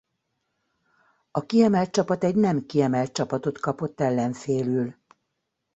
A kiemelt csapat egy nem kiemelt csapatot kapott ellenfélül.